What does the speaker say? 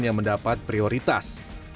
yang mendapat prioritas